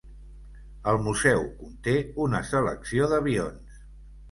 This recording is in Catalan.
El museu conté una selecció d'avions.